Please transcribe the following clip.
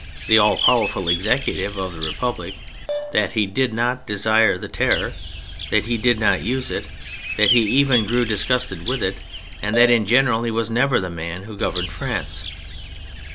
e. the all powerful executive of the Republic; that he did not desire the Terror, that he did not use it, that he even grew dis gusted with it, and that, in general, he was never the man who governed France.